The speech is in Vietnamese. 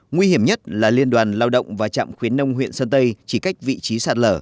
nguy hiểm nhất là liên đoàn lao động và trạm khuyến nông huyện sơn tây chỉ cách vị trí sạt lở